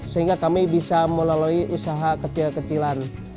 sehingga kami bisa melalui usaha kecil kecilan